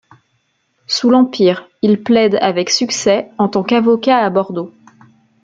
Sous l'Empire, il plaide avec succès en tant qu'avocat à Bordeaux.